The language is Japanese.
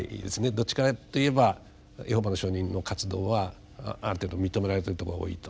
どっちかといえばエホバの証人の活動はある程度認められてるところが多いと。